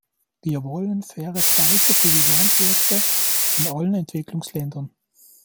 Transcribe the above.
Wir wollen faire Preise für die Landwirte in allen Entwicklungsländern.